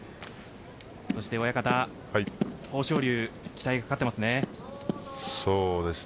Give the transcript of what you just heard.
親方、豊昇龍は期待がかかっていますね。